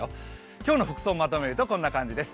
今日の服装をまとめると、こんな感じです。